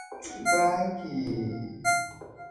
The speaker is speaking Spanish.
El puño de mono es más utilizado como el peso de guía.